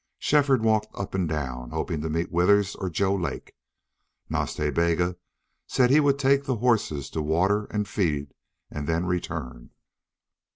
Shefford walked up and down, hoping to meet Withers or Joe Lake. Nas Ta Bega said he would take the horses to water and feed and then return.